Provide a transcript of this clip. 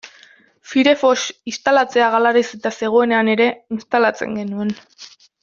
Firefox instalatzea galarazita zegoenean ere instalatzen genuen.